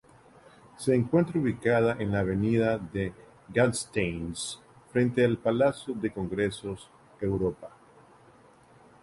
Se encuentra ubicada en la Avenida de Gasteiz, frente al Palacio de Congresos Europa.